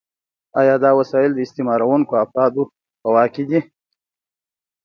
آیا دا وسایل د استثمارونکو افرادو په واک کې دي؟